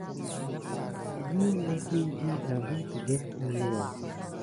Zuneki diɗa vi kədek əwluwa.